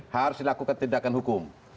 harus dilakukan tindakan hukum